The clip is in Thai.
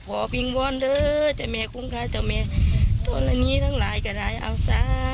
ก็ได้ทำพิธีที่พวกเขาคิดว่าจะสามารถช่วยให้ลูกหลานของเขากลับมาอย่างปลอดภัยครับ